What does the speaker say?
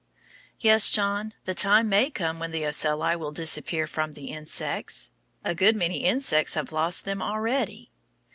Yes, John, the time may come when the ocelli will disappear from the insects. A good many insects have lost them already.